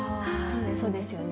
そうですよね。